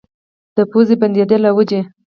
د پوزې بندېدو له وجې